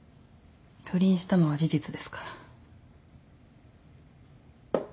不倫したのは事実ですから。